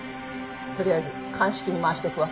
とりあえず鑑識に回しておくわ。